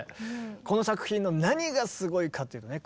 この作品の何がすごいかっていうとね